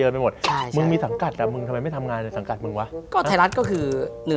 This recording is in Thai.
ไม่รู้ไทยรัฐอะไรเท่าไรเลย